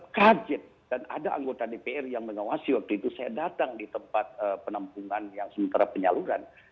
kaget dan ada anggota dpr yang mengawasi waktu itu saya datang di tempat penampungan yang sementara penyaluran